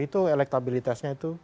itu elektabilitasnya itu